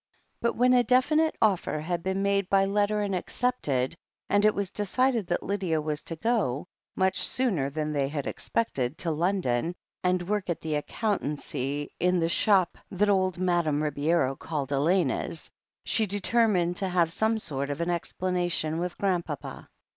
But when a definite offer had been made by letter and accepted, and it was decided that Lydia was to go, much sooner than tjiey had expected, to London, and work at the accountancy in the shop that old 96 THE HEEL OF ACHILLES Madame Ribeiro called "Elena's," she determined to have some sort of an explanation with Grandpapa.